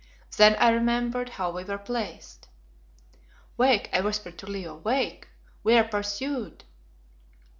Then I remembered how we were placed. "Wake!" I whispered to Leo. "Wake, we are pursued."